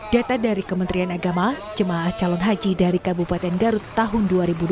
data dari kementerian agama jemaah calon haji dari kabupaten garut tahun dua ribu dua puluh